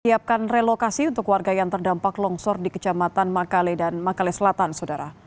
siapkan relokasi untuk warga yang terdampak longsor di kecamatan makale dan makale selatan saudara